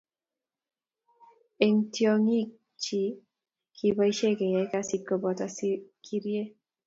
Eng tiongiing chje kiboisie keyay kazi koboto sikirie.